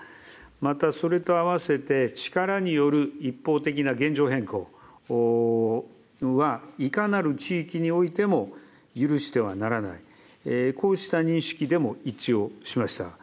またそれとあわせて、力による一方的な現状変更は、いかなる地域においても許してはならない、こうした認識でも一致をしました。